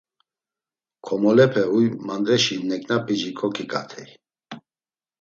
Komolepe huy mandereşi neǩnap̌ici koǩiǩatey.